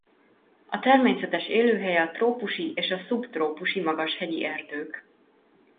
A természetes élőhelye a trópusi és szubtrópusi magashegyi erdők.